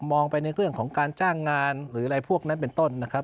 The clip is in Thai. มองไปในเรื่องของการจ้างงานหรืออะไรพวกนั้นเป็นต้นนะครับ